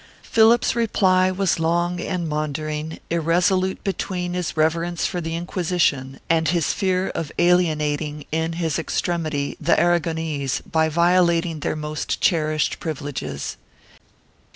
Philip's reply was long and maundering, irresolute between his reverence for the Inquisition and his fear of alienating in his extremity the Aragonese by violating their most cherished privileges.